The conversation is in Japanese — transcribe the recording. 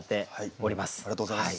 ありがとうございます。